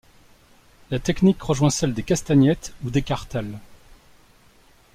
La technique rejoint celle des castagnettes ou des kartals.